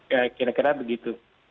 ya kira kira begitu